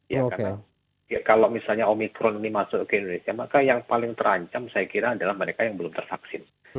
ya karena kalau misalnya omikron ini masuk ke indonesia maka yang paling terancam saya kira adalah mereka yang belum tervaksin